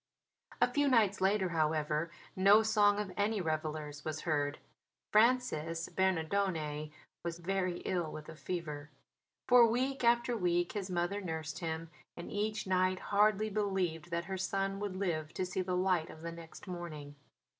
A few nights later, however, no song of any revellers was heard. Francis Bernardone was very ill with a fever. For week after week his mother nursed him; and each night hardly believed that her son would live to see the light of the next morning.